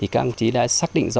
các đồng chí đã xác định rõ